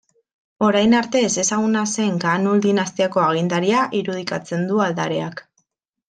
Orain arte ezezaguna zen Kaanul dinastiako agintaria irudikatzen du aldareak.